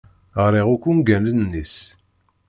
Ɣriɣ akk ungalen-is.